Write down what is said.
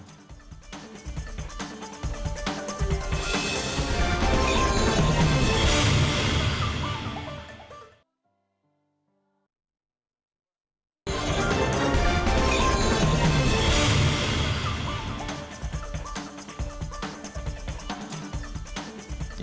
oke kita lanjut juga malandak rs